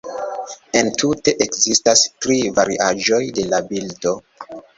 Entute ekzistas tri variaĵoj de la bildo.